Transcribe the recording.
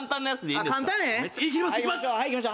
いきましょう。